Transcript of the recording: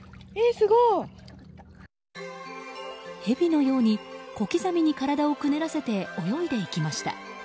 ヘビのように小刻みに体をくねらせて泳いでいきました。